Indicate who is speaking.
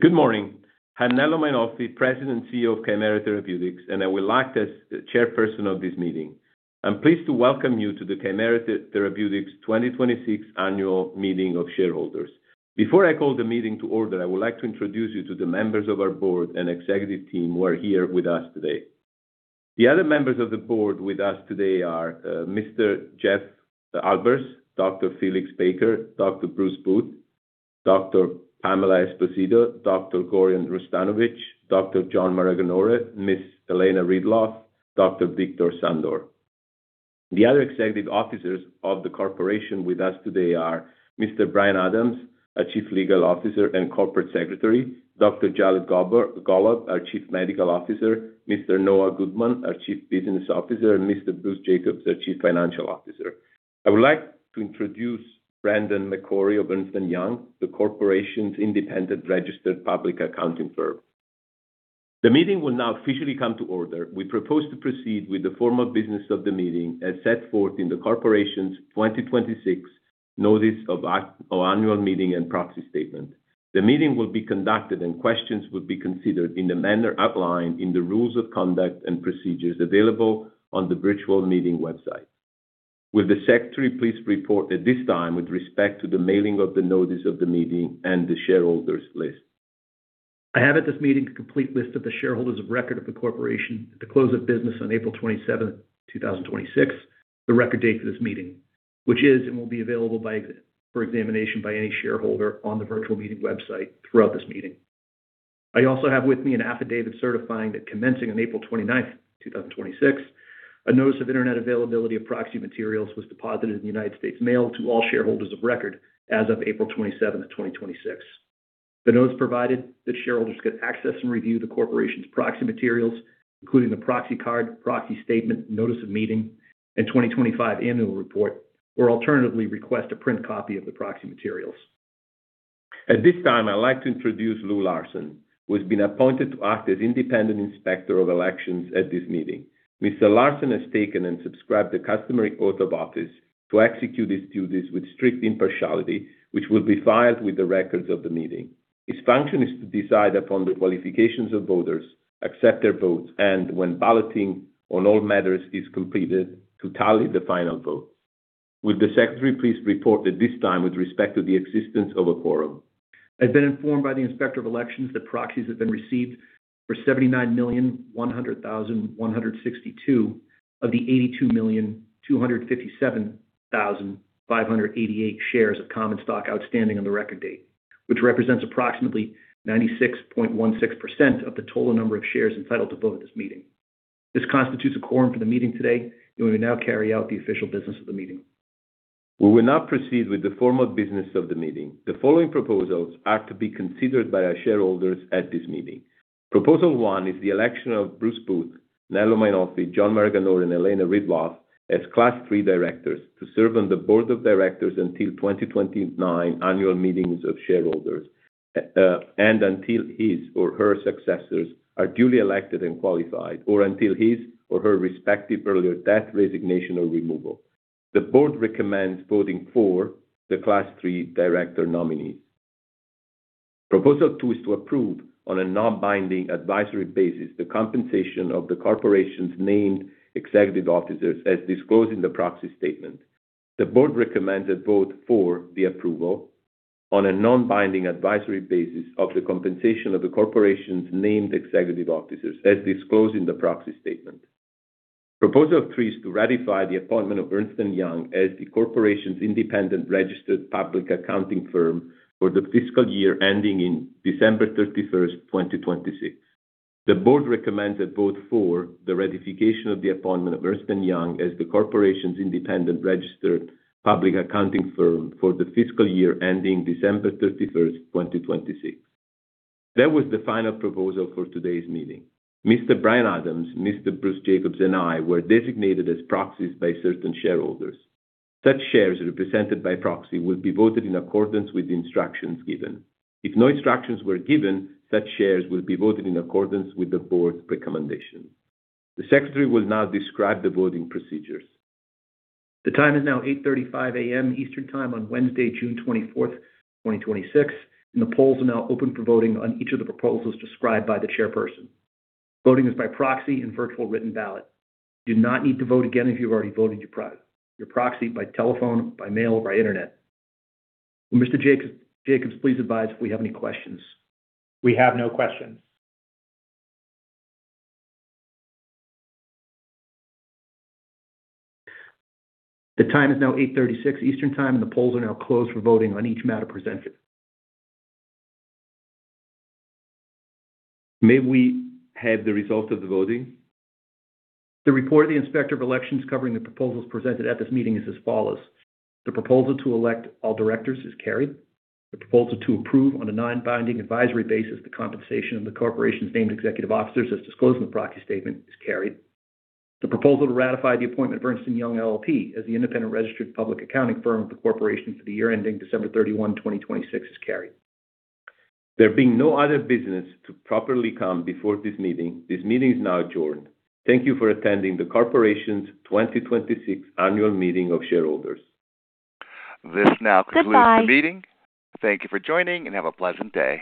Speaker 1: Good morning. I'm Nello Mainolfi, President and CEO of Kymera Therapeutics, and I will act as the chairperson of this meeting. I'm pleased to welcome you to the Kymera Therapeutics 2026 Annual Meeting of Shareholders. Before I call the meeting to order, I would like to introduce you to the members of our board and executive team who are here with us today. The other members of the board with us today are Mr. Jeff Albers, Dr. Felix Baker, Dr. Bruce Booth, Dr. Pamela Esposito, Dr. Gorjan Hrustanovic, Dr. John Maraganore, Ms. Elena Ridloff, Dr. Victor Sandor. The other executive officers of the corporation with us today are Mr. Brian Adams, our Chief Legal Officer and Corporate Secretary, Dr. Jared Gollob, our Chief Medical Officer, Mr. Noah Goodman, our Chief Business Officer, and Mr. Bruce Jacobs, our Chief Financial Officer. I would like to introduce Brendan McCrory of Ernst & Young, the corporation's independent registered public accounting firm. The meeting will now officially come to order. We propose to proceed with the formal business of the meeting as set forth in the corporation's 2026 Notice of Annual Meeting and Proxy Statement. The meeting will be conducted, and questions will be considered in the manner outlined in the rules of conduct and procedures available on the virtual meeting website. Will the secretary please report at this time with respect to the mailing of the notice of the meeting and the shareholders list?
Speaker 2: I have at this meeting a complete list of the shareholders of record of the corporation at the close of business on April 27, 2026, the record date for this meeting, which is and will be available for examination by any shareholder on the virtual meeting website throughout this meeting. I also have with me an affidavit certifying that commencing on April 29, 2026, a notice of Internet availability of proxy materials was deposited in the United States Mail to all shareholders of record as of April 27, 2026. The notice provided that shareholders could access and review the corporation's proxy materials, including the proxy card, proxy statement, notice of meeting, and 2025 annual report, or alternatively request a print copy of the proxy materials.
Speaker 1: At this time, I'd like to introduce Lew Larson, who has been appointed to act as independent inspector of elections at this meeting. Mr. Larson has taken and subscribed the customary oath of office to execute his duties with strict impartiality, which will be filed with the records of the meeting. His function is to decide upon the qualifications of voters, accept their votes, and when balloting on all matters is completed, to tally the final votes. Will the secretary please report at this time with respect to the existence of a quorum?
Speaker 2: I've been informed by the Inspector of Elections that proxies have been received for 79,100,162 of the 82,257,588 shares of common stock outstanding on the record date, which represents approximately 96.16% of the total number of shares entitled to vote at this meeting. This constitutes a quorum for the meeting today. We may now carry out the official business of the meeting.
Speaker 1: We will now proceed with the formal business of the meeting. The following proposals are to be considered by our shareholders at this meeting. Proposal one is the election of Bruce Booth, Nello Mainolfi, John Maraganore, and Elena Ridloff as Class III directors to serve on the board of directors until 2029 annual meetings of shareholders, and until his or her successors are duly elected and qualified, or until his or her respective earlier death, resignation, or removal. The board recommends voting for the Class III director nominees. Proposal two is to approve, on a non-binding advisory basis, the compensation of the corporation's named executive officers as disclosed in the proxy statement. The board recommends a vote for the approval on a non-binding advisory basis of the compensation of the corporation's named executive officers as disclosed in the proxy statement. Proposal three is to ratify the appointment of Ernst & Young as the corporation's independent registered public accounting firm for the fiscal year ending in December 31st, 2026. The board recommends a vote for the ratification of the appointment of Ernst & Young as the corporation's independent registered public accounting firm for the fiscal year ending December 31st, 2026. That was the final proposal for today's meeting. Mr. Brian Adams, Mr. Bruce Jacobs, and I were designated as proxies by certain shareholders. Such shares represented by proxy will be voted in accordance with the instructions given. If no instructions were given, such shares will be voted in accordance with the board's recommendation. The secretary will now describe the voting procedures.
Speaker 2: The time is now 8:35 A.M. Eastern Time on Wednesday, June 24th, 2026. The polls are now open for voting on each of the proposals described by the chairperson. Voting is by proxy and virtual written ballot. You do not need to vote again if you have already voted your proxy by telephone, by mail, or by Internet. Will Mr. Jacobs please advise if we have any questions?
Speaker 3: We have no questions.
Speaker 2: The time is now 8:36 A.M. Eastern Time, and the polls are now closed for voting on each matter presented.
Speaker 1: May we have the results of the voting?
Speaker 2: The report of the Inspector of Elections covering the proposals presented at this meeting is as follows: The proposal to elect all directors is carried. The proposal to approve, on a non-binding advisory basis, the compensation of the corporation's named executive officers as disclosed in the proxy statement is carried. The proposal to ratify the appointment of Ernst & Young LLP as the independent registered public accounting firm of the corporation for the year ending December 31, 2026 is carried.
Speaker 1: There being no other business to properly come before this meeting, this meeting is now adjourned. Thank you for attending the corporation's 2026 Annual Meeting of Shareholders.
Speaker 3: This now concludes the meeting. Thank you for joining, and have a pleasant day.